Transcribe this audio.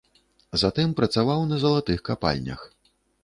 Затым працаваў на залатых капальнях.